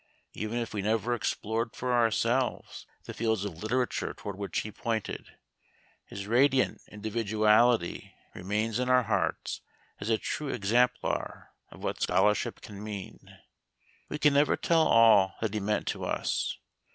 Even if we never explored for ourselves the fields of literature toward which he pointed, his radiant individuality remains in our hearts as a true exemplar of what scholarship can mean. We can never tell all that he meant to us.